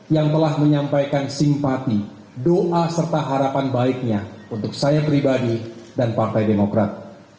yang telah menyampaikan simpati doa serta harapan baiknya untuk saya pribadi dan partai demokrat